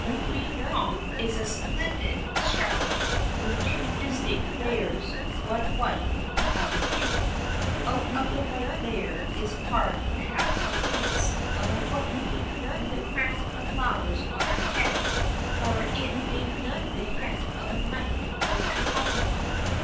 The "queen conch" is a splendid shell, with two distinct layers, one white, the other pink. Out of the white layer is carved perhaps the face of a woman, with a crown of flowers on her head, or it may be the head of a knight, with a helmet on.